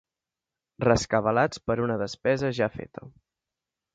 Rescabalats per un despesa ja feta.